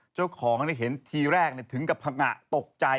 เจ้าของก็ได้เห็นทีแรกถึงกับถงะตกใจ